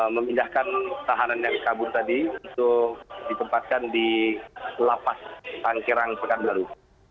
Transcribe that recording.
memindahkan tahanan yang kabur tadi untuk ditempatkan di lapas tangkirang pekanbaru